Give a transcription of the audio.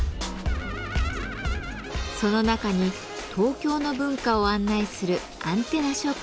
その中に東京の文化を案内するアンテナショップがあります。